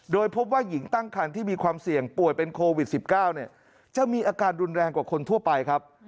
โดยเป็นโควิด๑๙จะมีอาการดุนแรงกว่าคนทั่วไปครับ